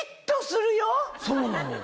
そうなのよ。